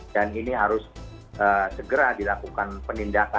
dan ini harus segera dilakukan penindakan